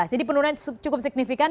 jadi penurunan cukup signifikan